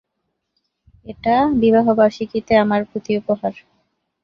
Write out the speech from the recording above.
এটা বিবাহবার্ষিকীতে আমার প্রতি উপহার।